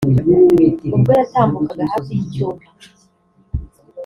ubwo yatambukaga hafi y’icyumba